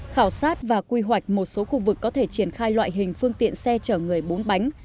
khảo sát và quy hoạch một số khu vực có thể triển khai loại hình phương tiện xe chở người bốn bánh